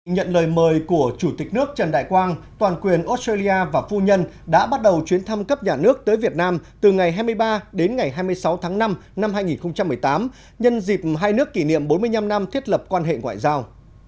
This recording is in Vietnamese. nhận lời mời của chủ tịch nước trần đại quang toàn quyền australia và phu nhân đã bắt đầu chuyến thăm cấp nhà nước tới việt nam từ ngày hai mươi ba đến ngày hai mươi sáu tháng năm năm hai nghìn một mươi tám nhân dịp hai nước kỷ niệm bốn mươi năm năm thiết lập quan hệ ngoại giao